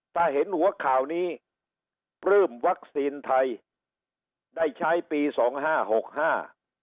ถ้าเห็นหัวข่าวนี้ปลื้มวัคซีนไทยได้ใช้ปีสองห้าหกห้า